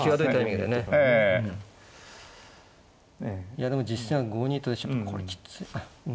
いやでも実戦は５二とでちょっとこれきつい。